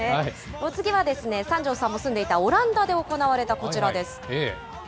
お次は三條さんも住んでいたオランダで行われたこちらです。